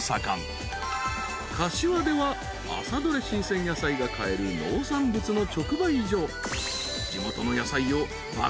［かしわでは朝どれ新鮮野菜が買える農産物の直売所］